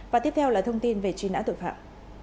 và tiếp theo là thông tin về truy nã tội phạm